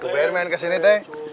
pemain pemain kesini teh